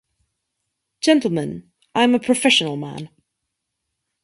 Gentlemen, I am a professional man.